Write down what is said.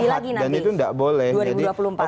semoga itu tidak terjadi lagi nanti dua ribu dua puluh empat